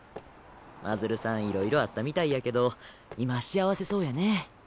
真鶴さんいろいろあったみたいやけど今幸せそうやね。